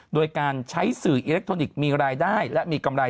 โดยการใช้สื่ออิเล็กทรอนิกส์มีรายได้และมีกำไร